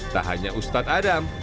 tak hanya ustadz adam